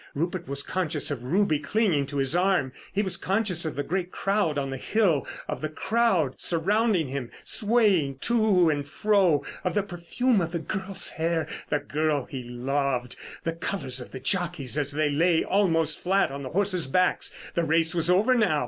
Rupert was conscious of Ruby clinging to his arm. He was conscious of the great crowd on the hill, of the crowd surrounding him, swaying to and fro; of the perfume of the girl's hair—the girl he loved; the colours of the jockeys as they lay almost flat on the horses' backs. The race was over now.